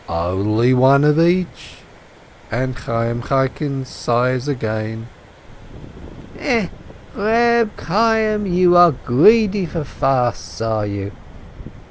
"Only one of each!" and Chayyim Chaikin sighs again. E, Eeb Chayyim, you are greedy for fasts, are you?"